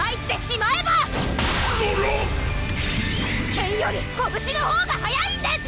剣より拳のほうが速いんです！